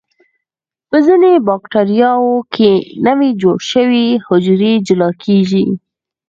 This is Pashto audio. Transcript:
په ځینو بکټریاوو کې نوي جوړ شوي حجرې جلا کیږي.